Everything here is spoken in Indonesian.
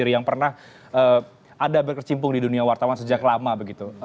yang pernah ada berkecimpung di dunia wartawan sejak lama begitu